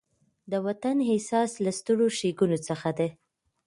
د وطن احساس له سترو ښېګڼو څخه دی.